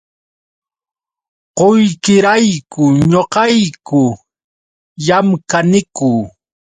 Qullqirayku ñuqayku llamkaniku.